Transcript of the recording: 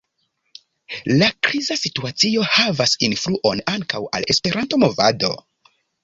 La kriza situacio havas influon ankaŭ al la Esperanto-movado.